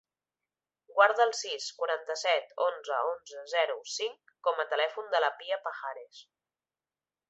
Guarda el sis, quaranta-set, onze, onze, zero, cinc com a telèfon de la Pia Pajares.